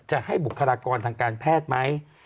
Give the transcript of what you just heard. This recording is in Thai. ให้บุคลากรทางการแพทย์ไหม